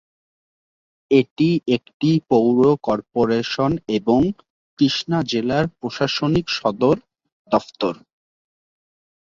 এটি একটি পৌর কর্পোরেশন এবং কৃষ্ণা জেলার প্রশাসনিক সদর দফতর।